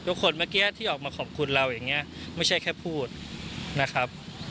คนเมื่อกี้ที่ออกมาขอบคุณเราอย่างนี้ไม่ใช่แค่พูดนะครับ